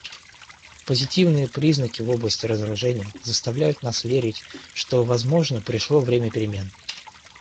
Позитивные признаки в области разоружения заставляют нас верить, что, возможно, пришло время перемен.